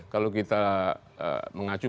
kalau kita mengacu